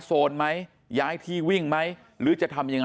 มันต้องการมาหาเรื่องมันจะมาแทงนะ